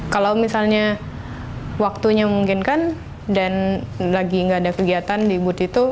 kalau misalnya waktunya mungkin kan dan lagi nggak ada kegiatan di booth itu